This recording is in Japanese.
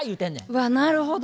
うわなるほど。